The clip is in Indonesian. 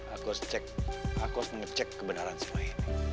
aku harus cek aku harus ngecek kebenaran semua ini